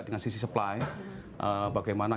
dengan sisi supply bagaimana